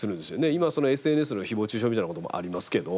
今、ＳＮＳのひぼう中傷みたいなこともありますけど。